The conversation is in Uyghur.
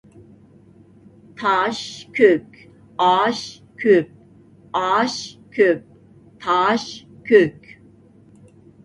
تاش كۆك، ئاش كۆپ، ئاش كۆپ، تاش كۆك.